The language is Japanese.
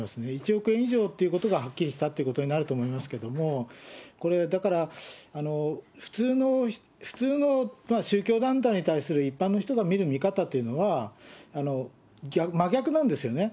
１億円以上っていうことがはっきりしたっていうことになると思いますけども、これ、だから普通の宗教団体に対する一般の人が見る見方というのは、真逆なんですよね。